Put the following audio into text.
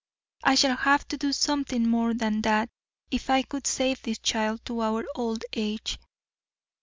I shall have to do something more than that if I would save this child to our old age.